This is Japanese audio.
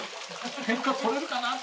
天下取れるかなって。